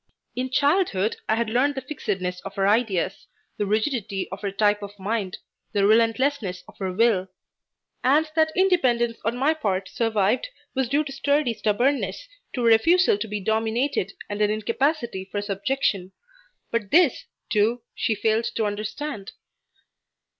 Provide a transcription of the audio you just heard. In childhood I had learned the fixedness of her ideas, the rigidity of her type of mind, the relentlessness of her will; and that independence on my part survived was due to sturdy stubbornness, to a refusal to be dominated, and an incapacity for subjection. But this, too, she failed to understand.